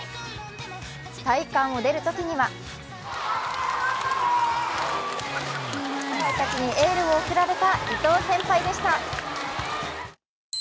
体育館を出るときには後輩たちにエールを送られた伊藤先輩でした。